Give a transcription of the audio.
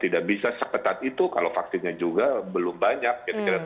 tidak bisa seketat itu kalau vaksinnya juga belum banyak